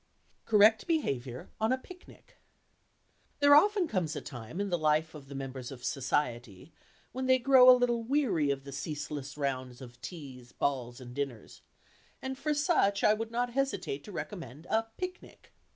CORRECT BEHAVIOR ON A PICNIC There often comes a time in the life of the members of "society" when they grow a little weary of the ceaseless round of teas, balls and dinners, and for such I would not hesitate to recommend a "picnic."